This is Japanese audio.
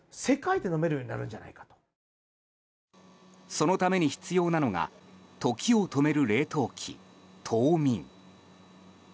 そのために必要なのが時を止める冷凍機、凍眠。